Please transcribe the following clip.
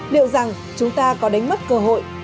liệu rằng chúng ta có đánh mất cơ hội